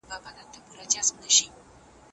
بې ادبه انسان په ټولنه کې ځای نلري.